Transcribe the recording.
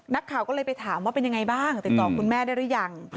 นักข่าวก็เลยไปถามว่าเป็นยังไงบ้างติดต่อคุณแม่ได้หรือยัง